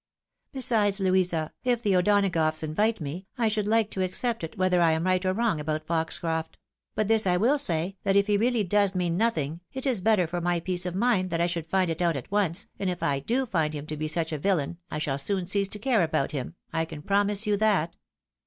Besides, Louisa, if the O'Dona goughs invite me, I should Uke to accept it, whether I am right or wrong about Foxcroft ; but this I will say, that if he really does mean nothing, it is better for my peace of mind that I should find it out at once, and if I do find him to be such a villain, I shall soon cease to care about him, I can promise you that.